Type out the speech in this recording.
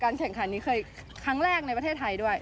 แข่งขันนี้เคยครั้งแรกในประเทศไทยด้วย